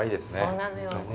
そうなのよ。